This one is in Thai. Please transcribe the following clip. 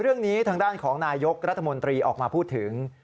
เรื่องนี้ทางด้านของนายกรัฐมนตรีออกมาพูดถึง